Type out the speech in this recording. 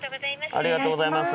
ありがとうございます。